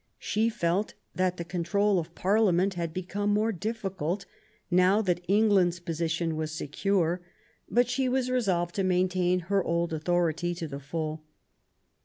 She felt that the control of Parliament had become more difficult now that England's position was secure ; but she was resolved to maintain her old authority to the full.